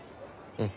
うん。